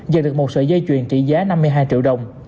dàn được một sợi dây chuyền trị giá năm mươi hai triệu đồng